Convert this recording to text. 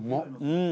うん。